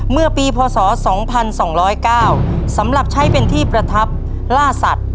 เมื่อกีภาพศอสตร์สองพันสี่สองร้อยเก้าสำหรับใช้เป็นที่ประทับล่าสัตว์